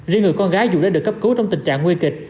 riêng người con gái dù đã được cấp cứu trong tình trạng nguy kịch